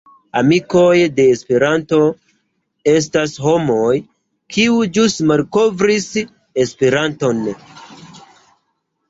Amikoj de Esperanto estas homoj, kiuj ĵus malkovris Esperanton.